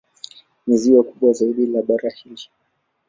Ni ziwa kubwa zaidi la bara hili.